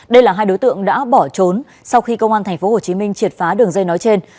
đây là hai đối tượng đã bỏ trốn sau khi công an tp hồ chí minh triệt phá đường dây nói trên